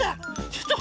ちょっと。